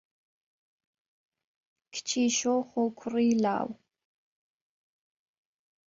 کچی شۆخ و کوڕی لاو